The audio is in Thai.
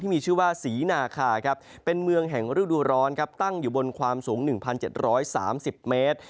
มีชื่อว่าศรีนาคาเป็นเมืองแห่งฤดูร้อนตั้งอยู่บนความสูง๑๗๓๐เมตร